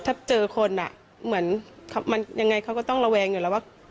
ถ้าเจอคนอ่ะเหมือนมันยังไงเขาก็ต้องระแวงอยู่แล้วว่า